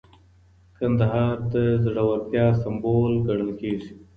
کندهار د زړورتیا سمبول ګڼل کېږي.